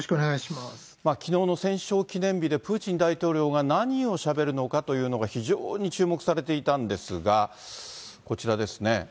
きのうの戦勝記念日で、プーチン大統領が何をしゃべるのかというのが非常に注目されていたんですが、こちらですね。